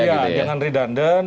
iya jangan redundant